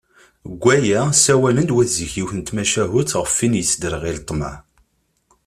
Deg waya, ssawalen-d wat zik yiwet n tmacahut γef win i yesderγil ṭṭmeε.